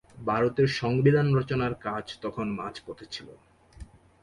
ভারতের সংবিধান রচনার কাজ তখন মাঝপথে ছিল।